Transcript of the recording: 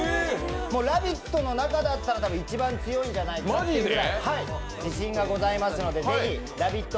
「ラヴィット！」の中だったら多分、一番強いんじゃないかなっていうぐらい、自身がありますので、ぜひ「ラヴィット！」